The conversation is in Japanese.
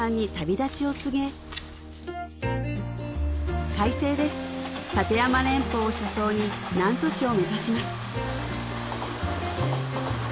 立山連峰を車窓に南砺市を目指します